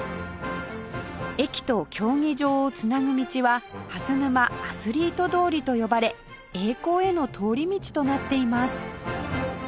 駅と競技場を繋ぐ道は蓮沼アスリート通りと呼ばれ栄光への通り道となっています